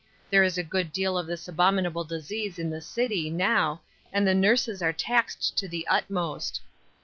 There is a good deal of this abominable disease in the city, now, and the nurses are taxed to the utmost.